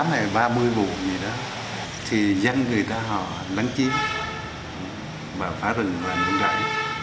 hai mươi tám hay ba mươi vụ gì đó thì dân người ta họ lắng chiếm và phá rừng và nâng rãi